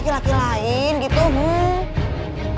laki laki lain gitu bu